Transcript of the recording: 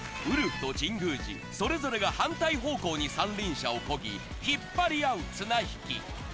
ウルフと神宮寺、それぞれが反対方向に三輪車をこぎ、引っ張り合う綱引き。